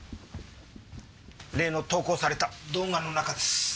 例の投稿された動画の中です。